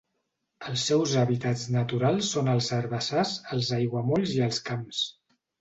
Els seus hàbitats naturals són els herbassars, els aiguamolls i els camps.